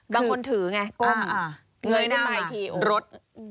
บางคนถือไงก้มเหนื่อยหน้ารถ